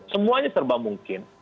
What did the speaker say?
semuanya serba mungkin